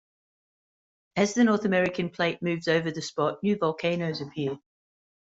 As the North American plate moves over the spot, new volcanoes appear.